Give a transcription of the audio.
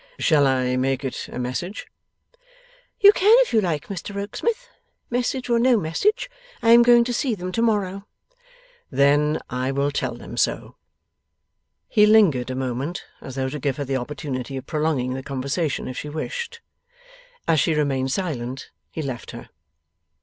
Shall I make it a message?' 'You can if you like, Mr Rokesmith. Message or no message, I am going to see them tomorrow.' 'Then I will tell them so.' He lingered a moment, as though to give her the opportunity of prolonging the conversation if she wished. As she remained silent, he left her.